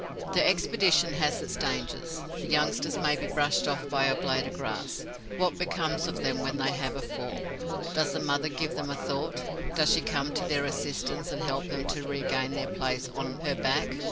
The expedition has its dangers. The youngsters may be brushed off by a blade of grass. What becomes of them when they have a fall? Does the mother give them a thought? Does she come to their assistance and help them to regain their place on her back?